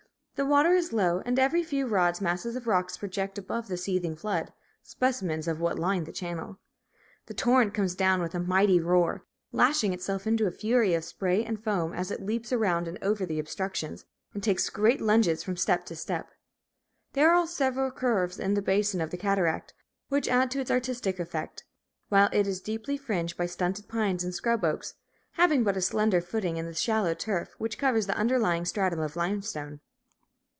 The water is low, and at every few rods masses of rock project above the seething flood, specimens of what line the channel. The torrent comes down with a mighty roar, lashing itself into a fury of spray and foam as it leaps around and over the obstructions, and takes great lunges from step to step. There are several curves in the basin of the cataract, which add to its artistic effect, while it is deeply fringed by stunted pines and scrub oaks, having but a slender footing in the shallow turf which covers the underlying stratum of limestone.